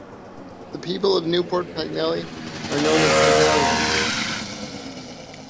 The people of Newport Pagnell are known as Pagnellions.